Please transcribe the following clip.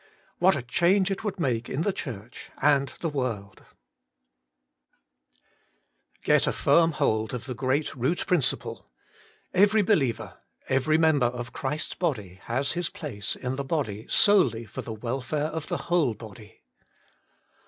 What a change it would make in the Church and the world ! 1. Get a firm hold of the great root principle. Every believer, every member of Christ's body, has his place in the body solely for the welfare of the whole body.